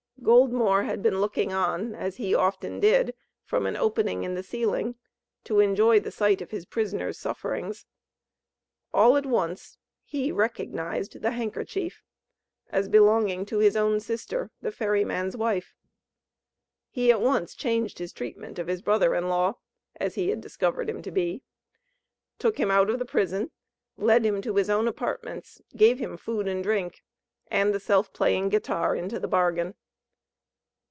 Goldmore had been looking on, as he often did, from an opening in the ceiling to enjoy the sight of his prisoner's sufferings. All at once he recognized the handkerchief, as belonging to his own sister, the ferry man's wife. He at once changed his treatment of his brother in law, as he had discovered him to be; took him out of prison, led him to his own apartments, gave him food and drink, and the Self playing Guitar into the bargain.